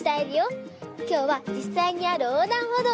きょうはじっさいにあるおうだんほどうにきました！